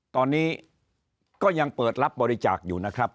ตอนนี้ก็ยังเปิดรับบริจาคอยู่นะครับ